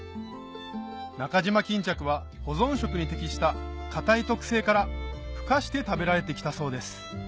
中島巾着は保存食に適した硬い特性から蒸かして食べられて来たそうです